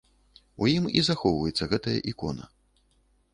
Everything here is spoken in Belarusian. У ім і захоўваецца гэтая ікона.